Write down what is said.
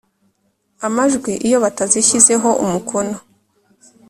amajwi Iyo batazishyizeho umukono